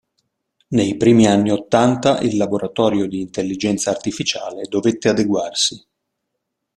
Nei primi anni Ottanta il laboratorio di Intelligenza Artificiale dovette adeguarsi.